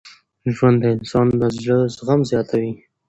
ژوند د انسان د زړه زغم زیاتوي.